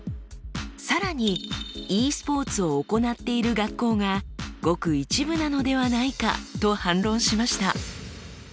更にｅスポーツを行っている学校がごく一部なのではないかと反論しました。